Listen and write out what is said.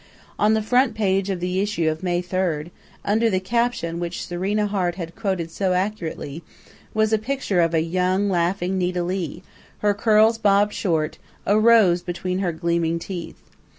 On the front page of the issue of May 3, under the caption which Serena Hart had quoted so accurately, was a picture of a young, laughing Nita Leigh, her curls bobbed short, a rose between her gleaming teeth.